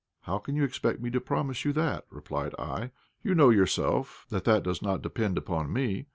"How can you expect me to promise you that?" replied I. "You know yourself that that does not depend upon me.